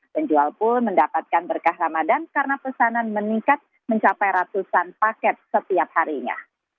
penjual pun mendapatkan berkah ramadan karena pesanan meningkat mencapai ratusan paket setiap harinya